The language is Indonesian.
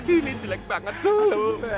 ini jelek banget tuh